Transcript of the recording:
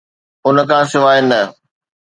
ان کان سواء نه.